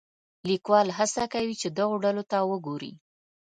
لیکوال هڅه کوي چې دغو ډلو ته وګوري.